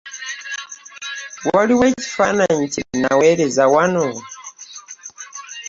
Waliwo ekifaananyi kye mwaweerezza wano?